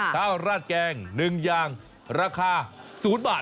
ราดแกง๑อย่างราคา๐บาท